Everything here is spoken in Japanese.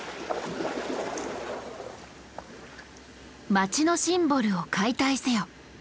街のシンボルを解体せよ！